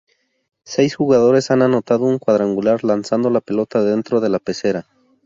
Seis jugadores han anotado un cuadrangular lanzando la pelota dentro de la pecera.